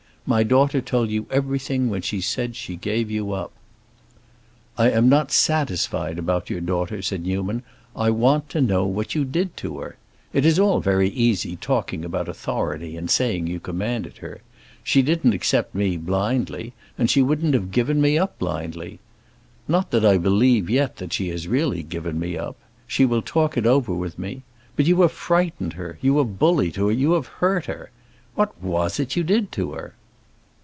"My daughter told you everything when she said she gave you up." "I am not satisfied about your daughter," said Newman; "I want to know what you did to her. It is all very easy talking about authority and saying you commanded her. She didn't accept me blindly, and she wouldn't have given me up blindly. Not that I believe yet she has really given me up; she will talk it over with me. But you have frightened her, you have bullied her, you have hurt her. What was it you did to her?"